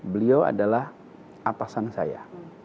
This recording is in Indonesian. beliau adalah atasan saya